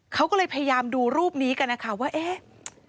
เขาก็เลยพยายามดูรูปนี้กันนะคะว่าเอ๊ะ